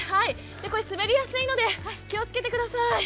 滑りやすいので気をつけてください。